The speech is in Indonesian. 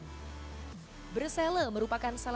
bresel merupakan salah satu jalan yang bisa anda lakukan